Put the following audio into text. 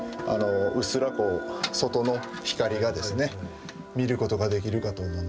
うっすら外の光がですね見ることができるかと思うんですけれども。